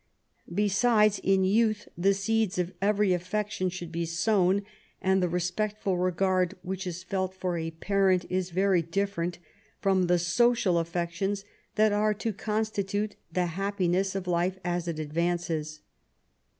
Besides, in youth the seeds of every affection should be sown, and the respectful regard which is felt for a parent is very different from the social affections that are to constitute the happiness of life as it advances.'